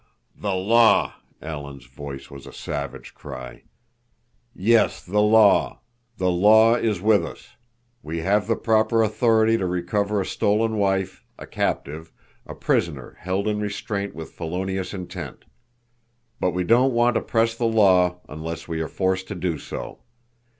"The law!" Alan's voice was a savage cry. "Yes, the law. The law is with us. We have the proper authority to recover a stolen wife, a captive, a prisoner held in restraint with felonious intent. But we don't want to press the law unless we are forced to do so.